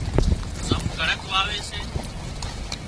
زم ڪڻڪ واوي سي